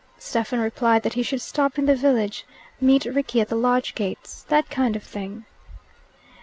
Stephen replied that he should stop in the village; meet Rickie at the lodge gates; that kind of thing.